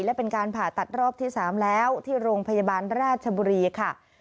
และเป็นการผ่าตัดรอบที่๓แล้วที่โรงพยาบาลราชบุรีค่ะ